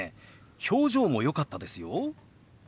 表情もよかったですよ。